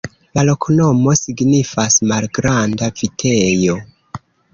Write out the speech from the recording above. La loknomo signifas: malgranda vitejo.